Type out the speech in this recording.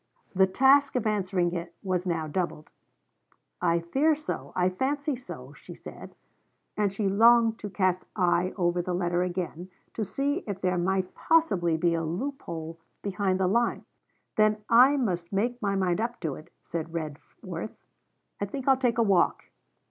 The task of answering it was now doubled. 'I fear so, I fancy so,' she said, and she longed to cast eye over the letter again, to see if there might possibly be a loophole behind the lines. 'Then I must make my mind up to it,' said Redworth. 'I think I'll take a walk.'